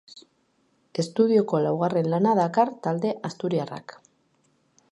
Estudioko laugarren lana dakar talde asturiarrak.